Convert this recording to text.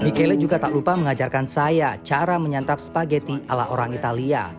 michele juga tak lupa mengajarkan saya cara menyantap spageti ala orang italia